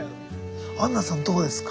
アンナさんどうですか？